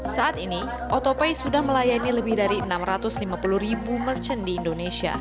saat ini autopay sudah melayani lebih dari enam ratus lima puluh ribu merchant di indonesia